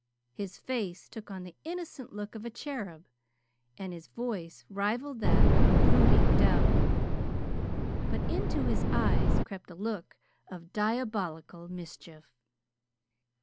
His face took on the innocent look of a cherub, and his voice rivaled that of a brooding dove, but into his eyes crept a look of diabolical mischief.